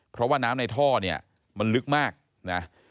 เพราะว่าน้ำในท่อเนี่ยมันลึกมากนะ